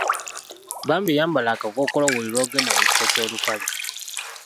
Bambi yambala akakkookolo buli lw'ogenda mu kifo ky'olukale.